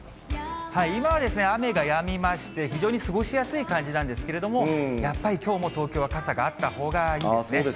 今は雨がやみまして、非常に過ごしやすい感じなんですけれども、やっぱりきょうも東京は傘があったほうがいいですね。